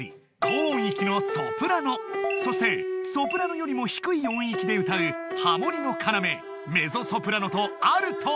高音域のソプラノそしてソプラノよりも低い音域で歌うハモリの要メゾソプラノとアルト